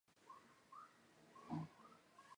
郭衍派船搬运粮食救援。